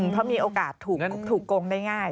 เพราะมีโอกาสถูกโกงได้ง่าย